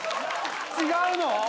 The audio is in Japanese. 違うの？